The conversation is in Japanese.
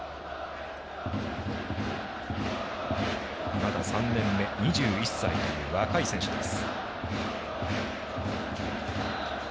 まだ３年目、２１歳という若い選手です。